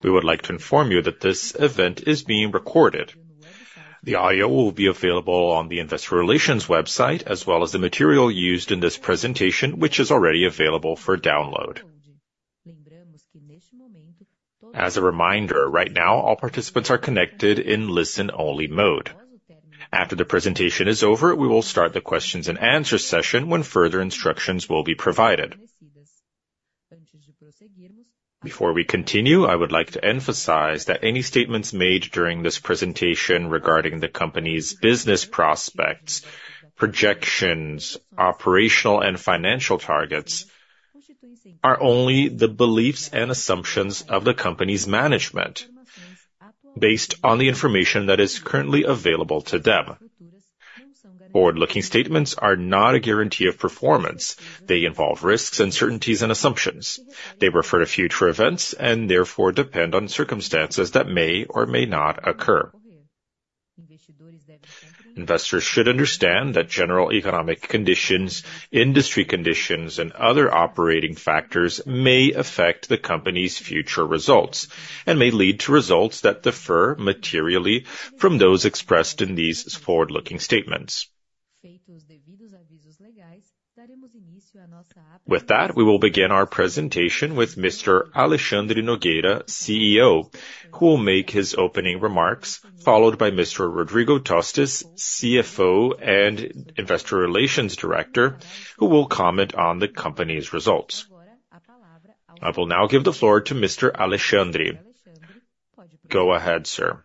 ...We would like to inform you that this event is being recorded. The audio will be available on the Investor Relations website, as well as the material used in this presentation, which is already available for download. As a reminder, right now, all participants are connected in listen-only mode. After the presentation is over, we will start the questions and answer session when further instructions will be provided. Before we continue, I would like to emphasize that any statements made during this presentation regarding the company's business prospects, projections, operational and financial targets, are only the beliefs and assumptions of the company's management, based on the information that is currently available to them. Forward-looking statements are not a guarantee of performance. They involve risks, uncertainties, and assumptions. They refer to future events and therefore depend on circumstances that may or may not occur. Investors should understand that general economic conditions, industry conditions, and other operating factors may affect the company's future results, and may lead to results that differ materially from those expressed in these forward-looking statements. With that, we will begin our presentation with Mr. Alexandre Nogueira, CEO, who will make his opening remarks, followed by Mr. Rodrigo Tostes, CFO and Investor Relations Director, who will comment on the company's results. I will now give the floor to Mr. Alexandre. Go ahead, sir.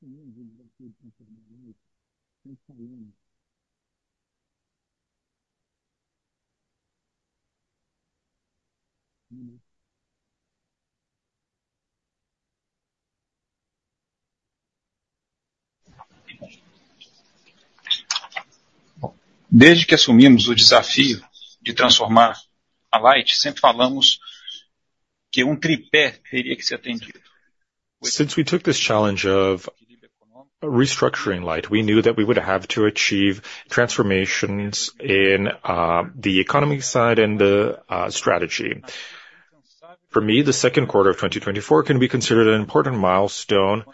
Since we took this challenge of restructuring Light, we knew that we would have to achieve transformations in the economy side and the strategy. For me, the second quarter of 2024 can be considered an important milestone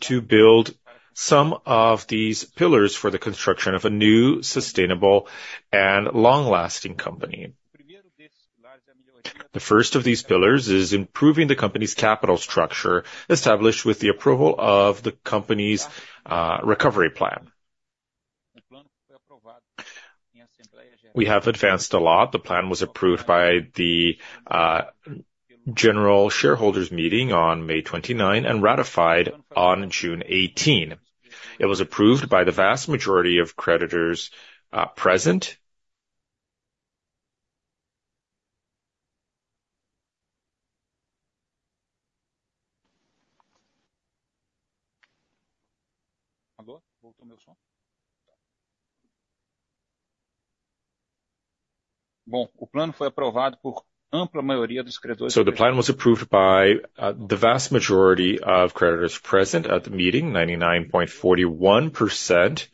to build some of these pillars for the construction of a new, sustainable, and long-lasting company. The first of these pillars is improving the company's capital structure, established with the approval of the company's recovery plan. We have advanced a lot. The plan was approved by the General Shareholders' Meeting on May 29, and ratified on June 18. It was approved by the vast majority of creditors present. So the plan was approved by the vast majority of creditors present at the meeting, 99.41%,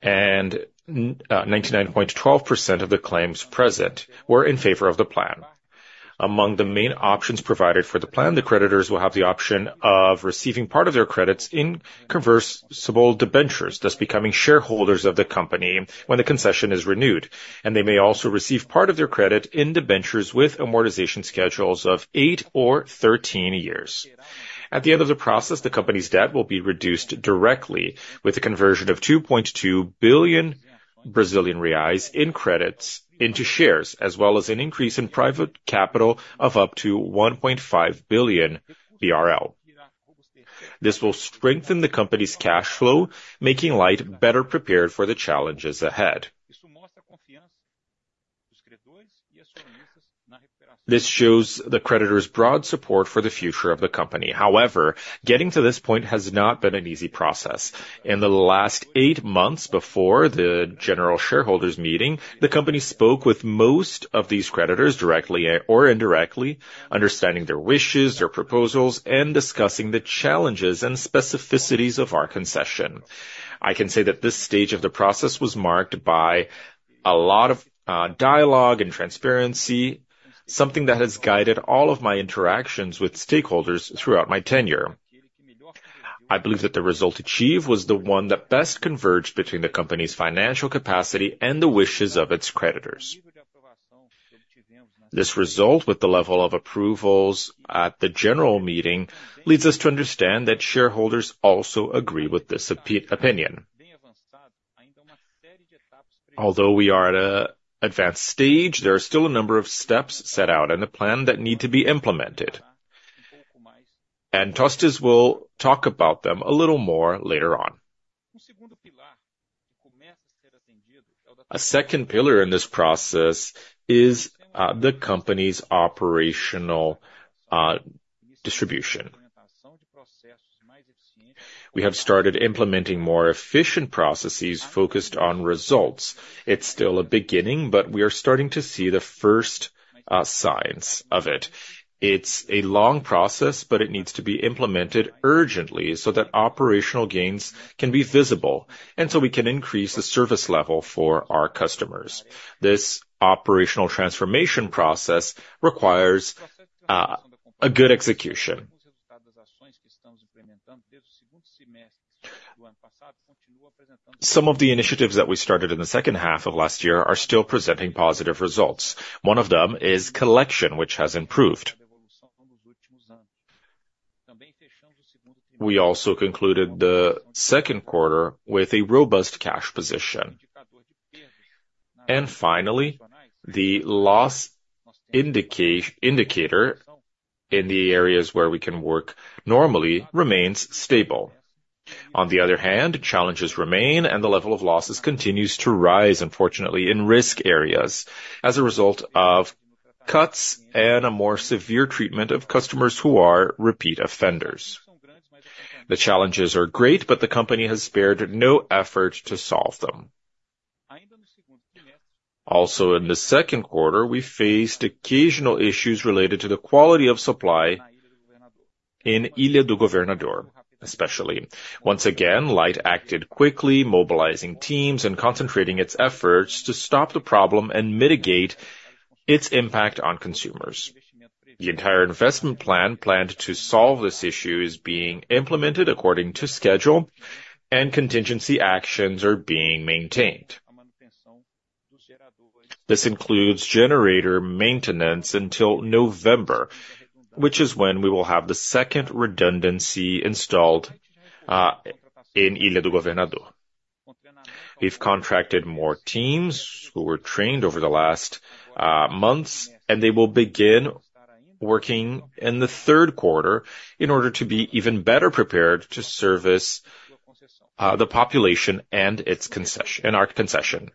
and 99.12% of the claims present were in favor of the plan. Among the main options provided for the plan, the creditors will have the option of receiving part of their credits in convertible debentures, thus becoming shareholders of the company when the concession is renewed. And they may also receive part of their credit in debentures with amortization schedules of 8 or 13 years. At the end of the process, the company's debt will be reduced directly with a conversion of 2.2 billion Brazilian reais in credits into shares, as well as an increase in private capital of up to 1.5 billion BRL. This will strengthen the company's cash flow, making Light better prepared for the challenges ahead. This shows the creditors' broad support for the future of the company. However, getting to this point has not been an easy process. In the last eight months before the General Shareholders' Meeting, the company spoke with most of these creditors, directly or indirectly, understanding their wishes, their proposals, and discussing the challenges and specificities of our concession. I can say that this stage of the process was marked by a lot of dialogue and transparency, something that has guided all of my interactions with stakeholders throughout my tenure. I believe that the result achieved was the one that best converged between the company's financial capacity and the wishes of its creditors. This result, with the level of approvals at the general meeting, leads us to understand that shareholders also agree with this opinion. Although we are at an advanced stage, there are still a number of steps set out in the plan that need to be implemented, and Tostes will talk about them a little more later on. A second pillar in this process is the company's operational distribution. We have started implementing more efficient processes focused on results. It's still a beginning, but we are starting to see the first signs of it. It's a long process, but it needs to be implemented urgently so that operational gains can be visible, and so we can increase the service level for our customers. This operational transformation process requires a good execution. Some of the initiatives that we started in the second half of last year are still presenting positive results. One of them is collection, which has improved. We also concluded the second quarter with a robust cash position. And finally, the loss indicator in the areas where we can work normally remains stable. On the other hand, challenges remain, and the level of losses continues to rise, unfortunately, in risk areas as a result of cuts and a more severe treatment of customers who are repeat offenders. The challenges are great, but the company has spared no effort to solve them. Also, in the second quarter, we faced occasional issues related to the quality of supply in Ilha do Governador, especially. Once again, Light acted quickly, mobilizing teams and concentrating its efforts to stop the problem and mitigate its impact on consumers. The entire investment plan, planned to solve this issue, is being implemented according to schedule, and contingency actions are being maintained. This includes generator maintenance until November, which is when we will have the second redundancy installed in Ilha do Governador. We've contracted more teams who were trained over the last months, and they will begin working in the third quarter in order to be even better prepared to service the population and its concession and our concession.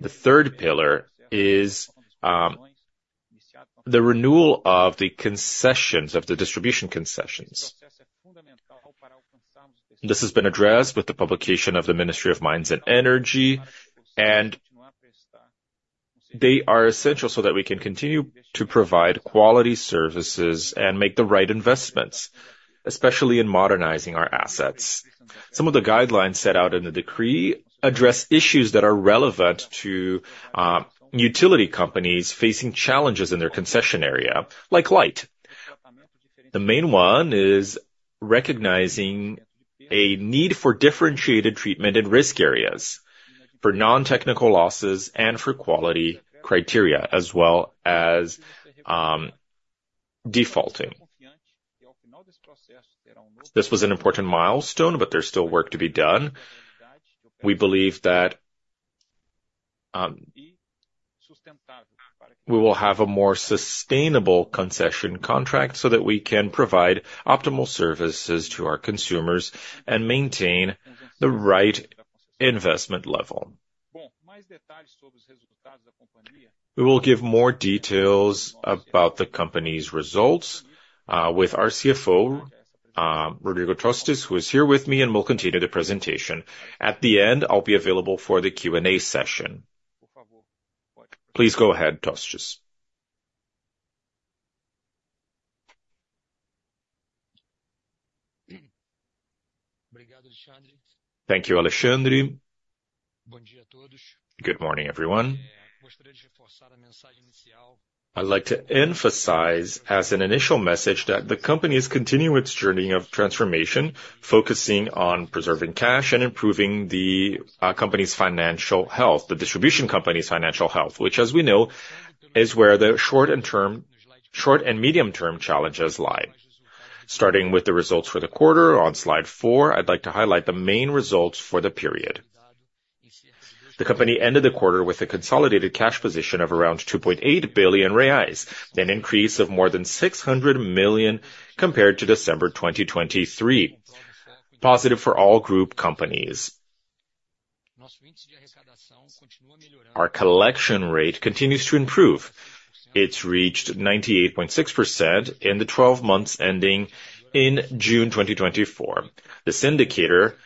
The third pillar is the renewal of the concessions, of the distribution concessions. This has been addressed with the publication of the Ministry of Mines and Energy, and they are essential so that we can continue to provide quality services and make the right investments, especially in modernizing our assets. Some of the guidelines set out in the decree address issues that are relevant to utility companies facing challenges in their concession area, like Light. The main one is recognizing a need for differentiated treatment in risk areas, for non-technical losses and for quality criteria, as well as defaulting. This was an important milestone, but there's still work to be done. We believe that we will have a more sustainable concession contract so that we can provide optimal services to our consumers and maintain the right investment level. We will give more details about the company's results with our CFO, Rodrigo Tostes, who is here with me and will continue the presentation. At the end, I'll be available for the Q&A session. Please go ahead, Tostes. Thank you, Alexandre. Good morning, everyone. I'd like to emphasize, as an initial message, that the company is continuing its journey of transformation, focusing on preserving cash and improving the company's financial health, the distribution company's financial health, which, as we know, is where the short- and medium-term challenges lie. Starting with the results for the quarter on slide four, I'd like to highlight the main results for the period. The company ended the quarter with a consolidated cash position of around 2.8 billion reais, an increase of more than 600 million compared to December 2023, positive for all group companies. Our collection rate continues to improve. It's reached 98.6% in the twelve months ending in June 2024. This indicator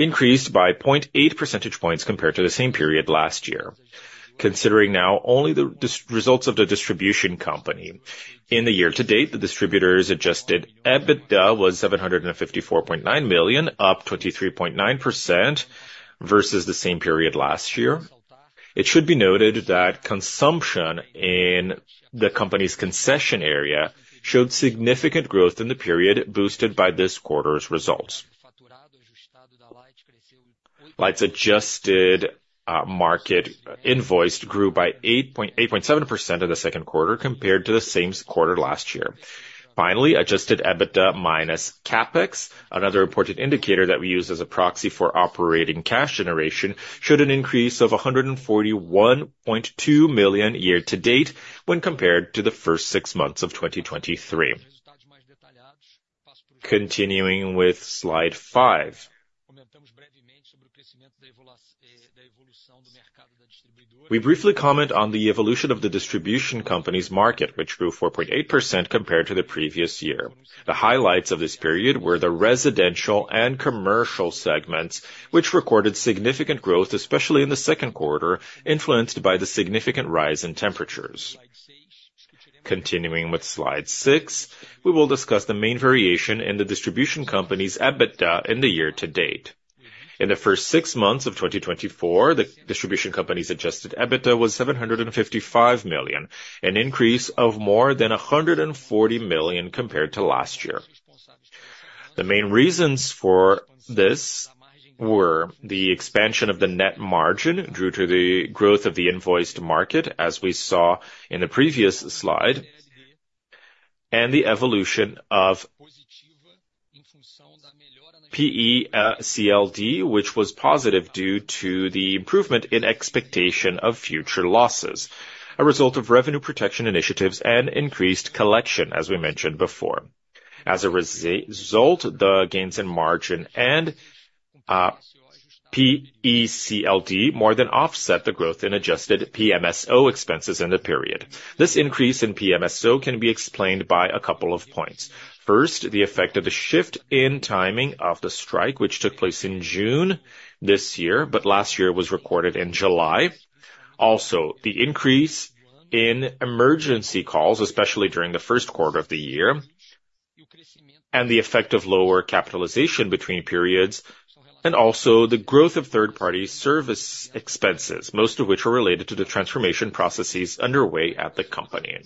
increased by 0.8 percentage points compared to the same period last year. Considering now only the distribution results of the distribution company, in the year to date, the distributor's adjusted EBITDA was 754.9 million, up 23.9% versus the same period last year. It should be noted that consumption in the company's concession area showed significant growth in the period, boosted by this quarter's results. Light's adjusted market invoice grew by 8.7% in the second quarter compared to the same quarter last year. Finally, Adjusted EBITDA minus CapEx, another important indicator that we use as a proxy for operating cash generation, showed an increase of 141.2 million year to date when compared to the first six months of 2023. Continuing with Slide 5... We briefly comment on the evolution of the distribution company's market, which grew 4.8% compared to the previous year. The highlights of this period were the residential and commercial segments, which recorded significant growth, especially in the second quarter, influenced by the significant rise in temperatures. Continuing with slide six, we will discuss the main variation in the distribution company's EBITDA in the year to date. In the first six months of 2024, the distribution company's Adjusted EBITDA was 755 million, an increase of more than 140 million compared to last year. The main reasons for this were the expansion of the net margin, due to the growth of the invoiced market, as we saw in the previous slide, and the evolution of PECLD, which was positive due to the improvement in expectation of future losses, a result of revenue protection initiatives and increased collection, as we mentioned before. As a result, the gains in margin and PECLD more than offset the growth in adjusted PMSO expenses in the period. This increase in PMSO can be explained by a couple of points. First, the effect of the shift in timing of the strike, which took place in June this year, but last year was recorded in July. Also, the increase in emergency calls, especially during the first quarter of the year, and the effect of lower capitalization between periods, and also the growth of third-party service expenses, most of which were related to the transformation processes underway at the company.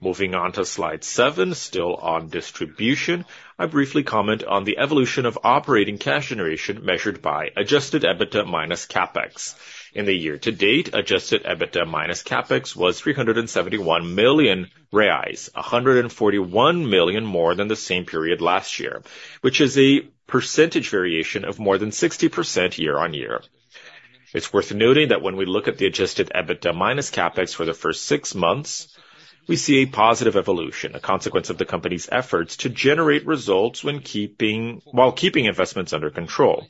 Moving on to slide seven, still on distribution, I briefly comment on the evolution of operating cash generation, measured by Adjusted EBITDA minus CapEx. In the year to date, Adjusted EBITDA minus CapEx was 371 million reais, 141 million more than the same period last year, which is a percentage variation of more than 60% year-on-year. It's worth noting that when we look at the adjusted EBITDA minus CapEx for the first six months, we see a positive evolution, a consequence of the company's efforts to generate results while keeping investments under control,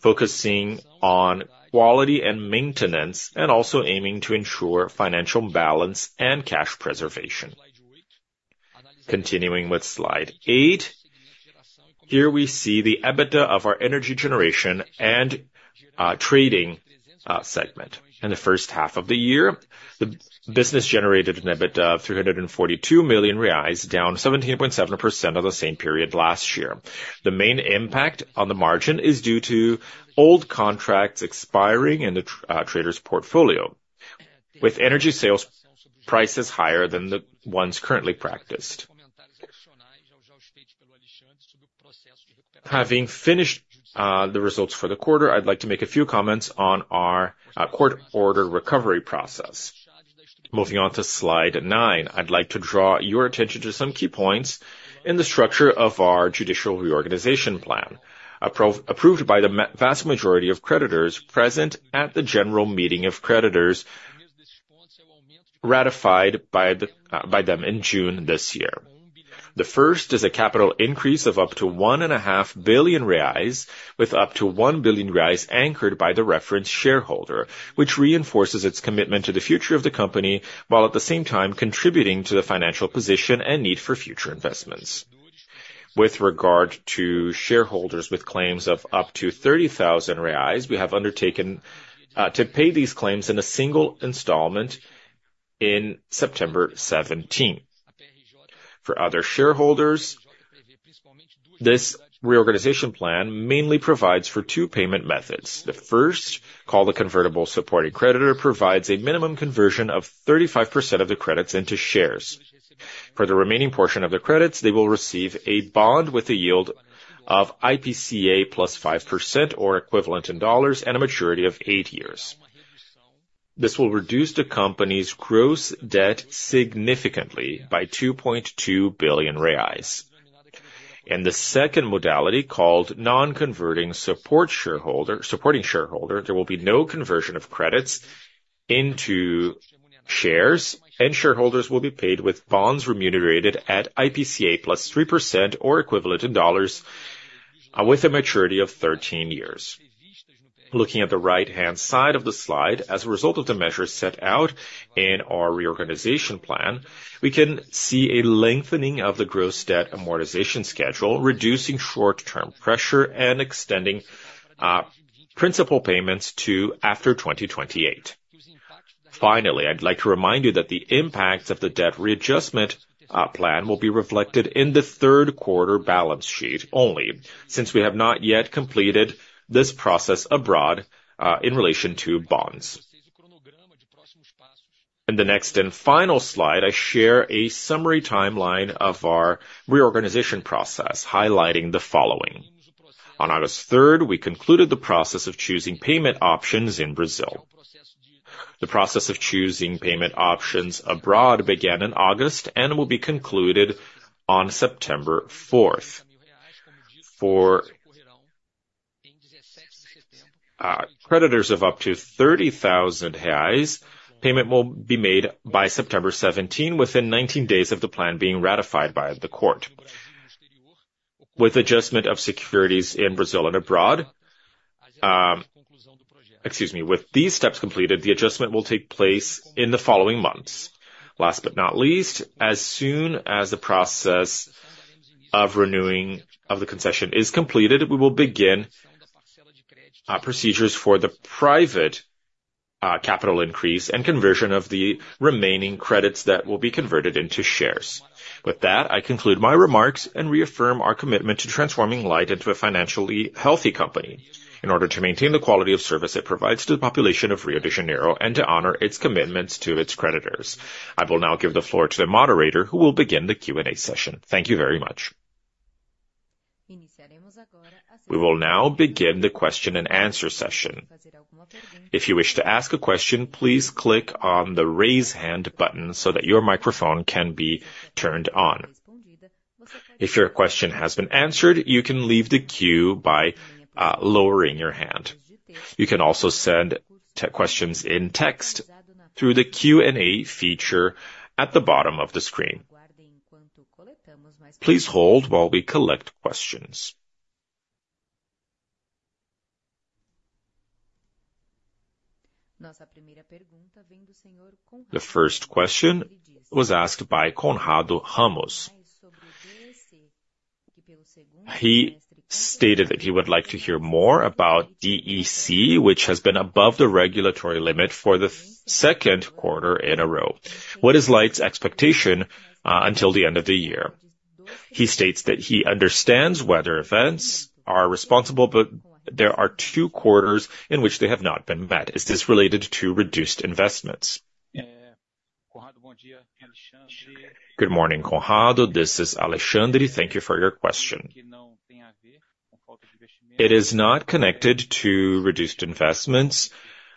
focusing on quality and maintenance, and also aiming to ensure financial balance and cash preservation. Continuing with slide eight, here we see the EBITDA of our energy generation and trading segment. In the first half of the year, the business generated an EBITDA of 342 million reais, down 17.7% of the same period last year. The main impact on the margin is due to old contracts expiring in the trader's portfolio, with energy sales prices higher than the ones currently practiced. Having finished the results for the quarter, I'd like to make a few comments on our court order recovery process. Moving on to slide nine, I'd like to draw your attention to some key points in the structure of our judicial reorganization plan, approved by the vast majority of creditors present at the General Meeting of Creditors, ratified by them in June this year. The first is a capital increase of up to 1.5 billion reais, with up to 1 billion reais anchored by the reference shareholder, which reinforces its commitment to the future of the company, while at the same time contributing to the financial position and need for future investments. With regard to shareholders with claims of up to 30,000 reais, we have undertaken to pay these claims in a single installment in September 17th. For other shareholders, this reorganization plan mainly provides for two payment methods. The first, called a convertible supporting creditor, provides a minimum conversion of 35% of the credits into shares. For the remaining portion of the credits, they will receive a bond with a yield of IPCA 5%+, or equivalent in dollars, and a maturity of eight years. This will reduce the company's gross debt significantly by 2.2 billion reais. In the second modality, called non-converting support shareholder, supporting shareholder, there will be no conversion of credits into shares, and shareholders will be paid with bonds remunerated at IPCA plus 3% or equivalent in dollars, with a maturity of 13 years. Looking at the right-hand side of the slide, as a result of the measures set out in our reorganization plan, we can see a lengthening of the gross debt amortization schedule, reducing short-term pressure and extending principal payments to after 2028. Finally, I'd like to remind you that the impacts of the debt readjustment plan will be reflected in the third quarter balance sheet only, since we have not yet completed this process abroad in relation to bonds. In the next and final slide, I share a summary timeline of our reorganization process, highlighting the following: On August third, we concluded the process of choosing payment options in Brazil. The process of choosing payment options abroad began in August and will be concluded on September fourth. For creditors of up to 30,000 reais, payment will be made by September 17, within 19 days of the plan being ratified by the court. With adjustment of securities in Brazil and abroad, excuse me. With these steps completed, the adjustment will take place in the following months. Last but not least, as soon as the process of renewing of the concession is completed, we will begin procedures for the private capital increase and conversion of the remaining credits that will be converted into shares. With that, I conclude my remarks and reaffirm our commitment to transforming Light into a financially healthy company, in order to maintain the quality of service it provides to the population of Rio de Janeiro and to honor its commitments to its creditors. I will now give the floor to the moderator, who will begin the Q&A session. Thank you very much. We will now begin the question and answer session. If you wish to ask a question, please click on the Raise Hand button so that your microphone can be turned on. If your question has been answered, you can leave the queue by lowering your hand. You can also send questions in text through the Q&A feature at the bottom of the screen. Please hold while we collect questions. The first question was asked by Conrado Ramos. He stated that he would like to hear more about DEC, which has been above the regulatory limit for the second quarter in a row. What is Light's expectation until the end of the year? He states that he understands weather events are responsible, but there are two quarters in which they have not been met. Is this related to reduced investments? Good morning, Conrado. This is Alexandre. Thank you for your question. It is not connected to reduced investments.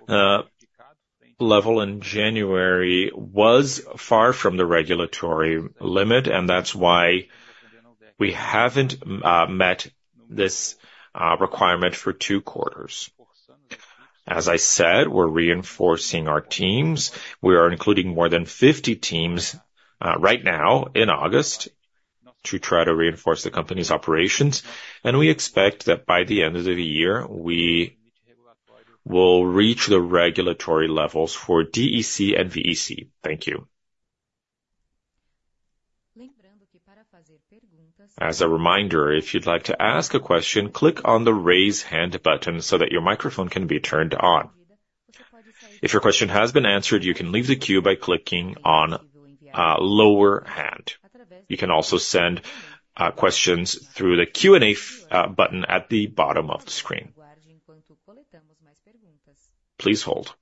Level in January was far from the regulatory limit, and that's why we haven't met this requirement for two quarters. As I said, we're reinforcing our teams. We are including more than 50 teams right now in August, to try to reinforce the company's operations, and we expect that by the end of the year, we will reach the regulatory levels for DEC and FEC. Thank you. As a reminder, if you'd like to ask a question, click on the raise hand button so that your microphone can be turned on. If your question has been answered, you can leave the queue by clicking on lower hand. You can also send questions through the Q&A button at the bottom of the screen. Please hold.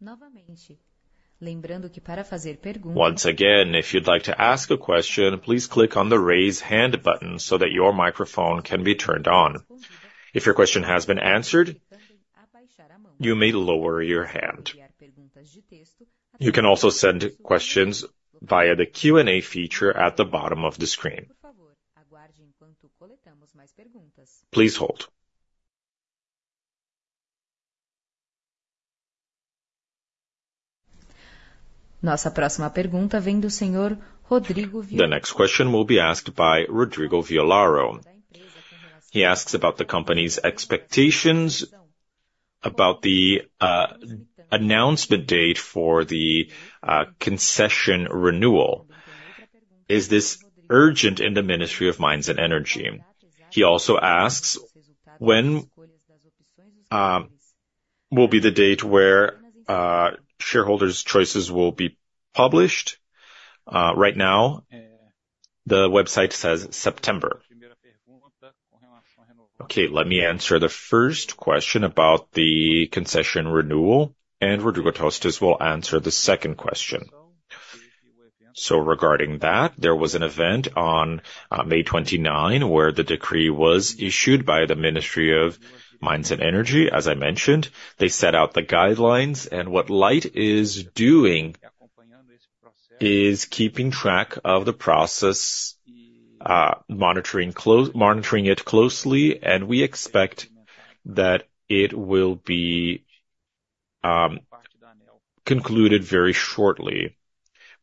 Once again, if you'd like to ask a question, please click on the raise hand button so that your microphone can be turned on. If your question has been answered, you may lower your hand. You can also send questions via the Q&A feature at the bottom of the screen. Please hold. The next question will be asked by Rodrigo Violaro. He asks about the company's expectations about the announcement date for the concession renewal. Is this urgent in the Ministry of Mines and Energy? He also asks, when will be the date where shareholders' choices will be published? Right now, the website says September. Okay, let me answer the first question about the concession renewal, and Rodrigo Tostes will answer the second question. So regarding that, there was an event on May 29, where the decree was issued by the Ministry of Mines and Energy. As I mentioned, they set out the guidelines, and what Light is doing is keeping track of the process, monitoring it closely, and we expect that it will be concluded very shortly.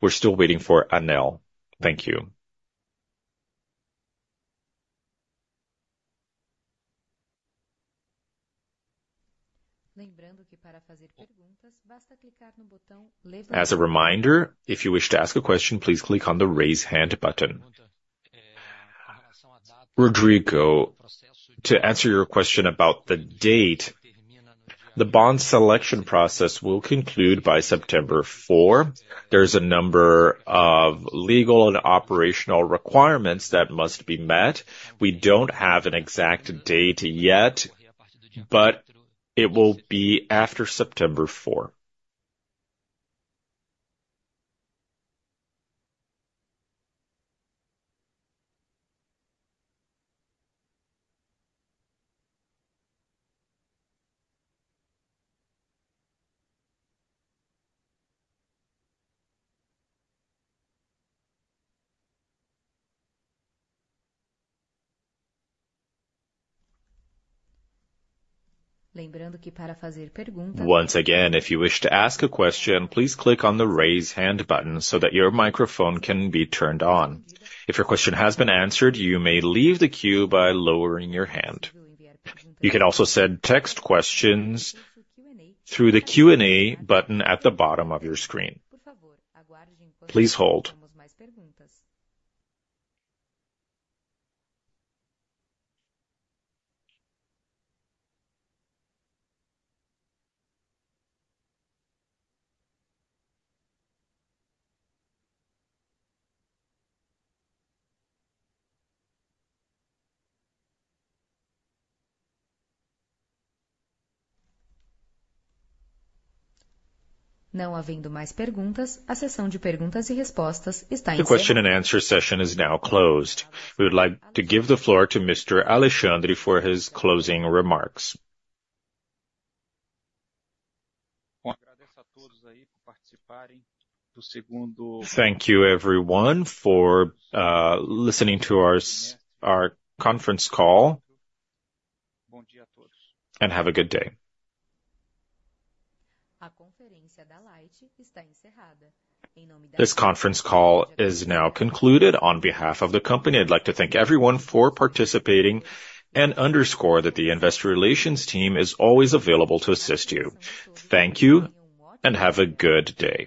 We're still waiting for ANEEL. Thank you. As a reminder, if you wish to ask a question, please click on the raise hand button. Rodrigo, to answer your question about the date, the bond selection process will conclude by September 4. There's a number of legal and operational requirements that must be met. We don't have an exact date yet, but it will be after September 4. Once again, if you wish to ask a question, please click on the raise hand button so that your microphone can be turned on. If your question has been answered, you may leave the queue by lowering your hand. You can also send text questions through the Q&A button at the bottom of your screen. Please hold. The question and answer session is now closed. We would like to give the floor to Mr. Alexandre for his closing remarks. Thank you, everyone, for listening to our conference call, and have a good day. This conference call is now concluded. On behalf of the company, I'd like to thank everyone for participating, and underscore that theInvestor Relations team is always available to assist you. Thank you, and have a good day.